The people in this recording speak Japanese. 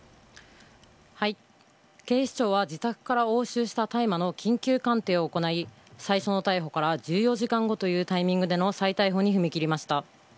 警視庁は自宅から押収した大麻の緊急鑑定を行い最初の逮捕から１４時間後というタイミングでの再逮捕に踏み切りました。